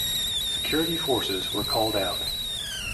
Security forces were called out.